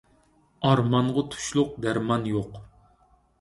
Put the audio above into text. ئارمانغا تۇشلۇق دەرمان يوق!